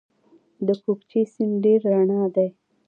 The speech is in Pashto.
د کوکچې سیند ډیر رڼا دی